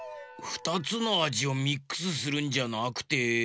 ２つのあじをミックスするんじゃなくて。